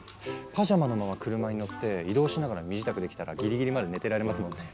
パジャマのまま車に乗って移動しながら身支度できたらギリギリまで寝てられますもんね。